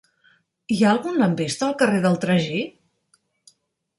Hi ha algun lampista al carrer del Tragí?